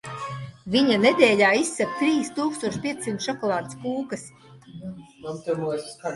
Viņa nedēļā izcep trīs tūkstoš piecsimt šokolādes kūkas.